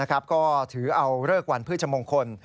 ก็ถือเอาเลิกวันพฤชมงคล